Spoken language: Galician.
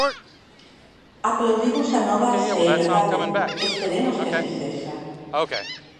Aplaudimos a nova se é verdade, esperemos que así sexa.